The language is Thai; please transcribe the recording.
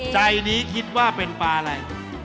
ใจนี้คิดว่าเป็นปลาอะไร